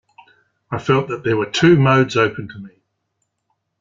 I felt that there were two modes open to me.